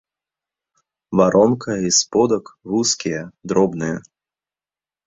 Варонка і сподак вузкія, дробныя.